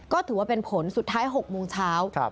ก็ถือว่าเป็นผลสุดท้าย๖โมงเช้า